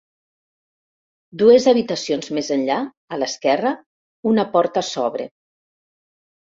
Dues habitacions més enllà, a l'esquerra, una porta s'obre.